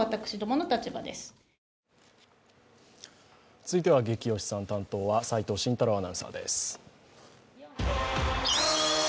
続いてはゲキ推しさん、担当は齋藤慎太郎アナウンサーです。